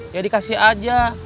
ya dikasih aja